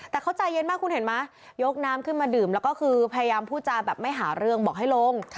แต่เขาใจเย็นมากคุณเห็นไหมยกน้ำขึ้นมาดื่มแล้วก็คือพยายามพูดจาแบบไม่หาเรื่องบอกให้ลง